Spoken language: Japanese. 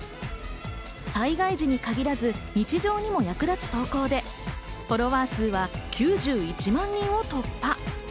災害時に限らず、日常にも役立つ投稿でフォロワー数は９１万人を突破。